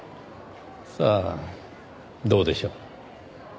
さあどうでしょう。